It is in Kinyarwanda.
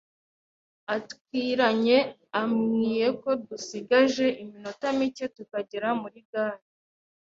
A twiaranye amwiye ko dusigaje iminota mike tukagera muri gare